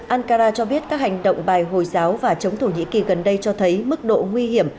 ankara cho biết các hành động bài hồi giáo và chống thổ nhĩ kỳ gần đây cho thấy mức độ nguy hiểm